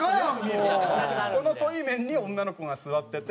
この対面に女の子が座ってて。